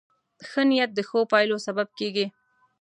ښه نیت د ښو پایلو سبب کېږي.